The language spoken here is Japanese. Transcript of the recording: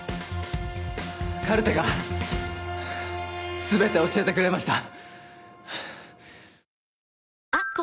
カルテが全て教えてくれました。